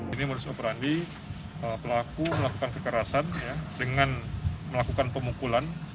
ini merusak perandi pelaku melakukan kekerasan dengan melakukan pemukulan